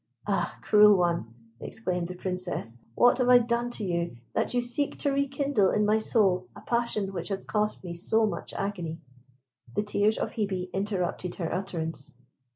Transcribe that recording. "Ah, cruel one!" exclaimed the Princess. "What have I done to you that you seek to rekindle in my soul a passion which has cost me so much agony?" The tears of Hebe interrupted her utterance.